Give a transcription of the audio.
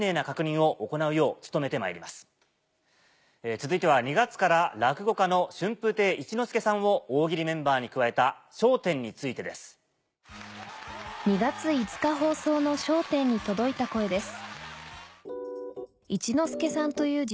続いては２月から落語家の春風亭一之輔さんを大喜利メンバーに加えた『笑点』についてです。２月５日放送の『笑点』に届いた声です